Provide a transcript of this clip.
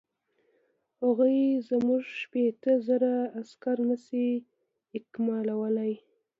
هغوی زموږ شپېته زره عسکر نه شي اکمالولای.